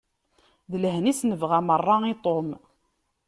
D lehna i s-nebɣa merra i Tom.